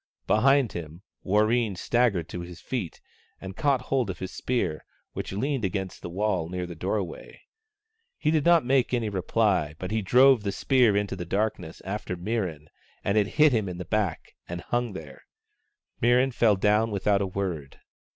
Behind him, Warreen staggered to his feet and caught hold of his spear, which leaned against the wall near the doorway. He did not make any reply, but he drove the spear into the darkness after Mirran, and it hit him in the back and hung there. Mirran fell down without a word.